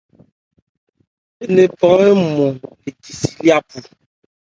Ńnephan nmɔn le di si lyá bu.